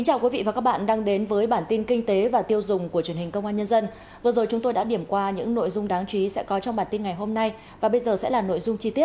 hãy đăng ký kênh để ủng hộ kênh của chúng mình nhé